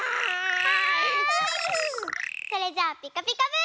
それじゃあ「ピカピカブ！」。